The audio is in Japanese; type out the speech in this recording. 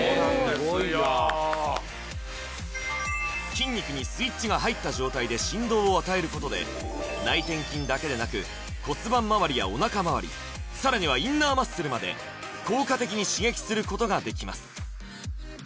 筋肉にスイッチが入った状態で振動を与えることで内転筋だけでなく骨盤まわりやおなかまわりさらにはインナーマッスルまで効果的に刺激することができます